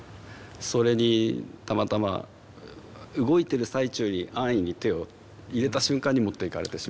それにたまたま動いてる最中に安易に手を入れた瞬間に持っていかれてしまった。